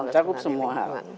mencakup semua hal